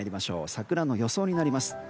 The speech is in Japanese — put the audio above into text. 桜の予想になります。